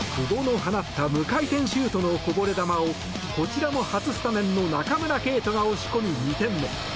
久保の放った無回転シュートのこぼれ球をこちらも初スタメンの中村敬斗が押し込み２点目。